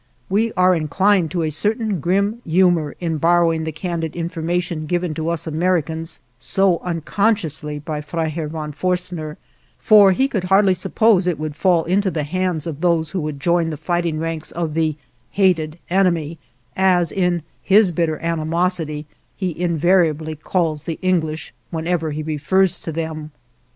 We are inclined to a certain grim humor in borrowing the candid information given to us Americans so unconsciously by Freiherrn von Forstner, for he could hardly suppose it would fall into the hands of those who would join the fighting ranks of the hated enemy, as, in his bitter animosity, he invariably calls the English whenever he refers to them.